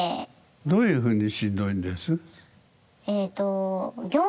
どういう風にしんどいです？